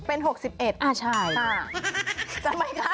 เป็น๖๑อ่ะใช่